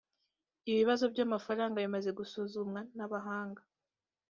ibibazo by’amafaranga bimaze gusuzumwa n’abahanga